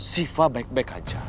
siva baik baik aja